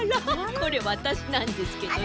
これわたしなんですけどね。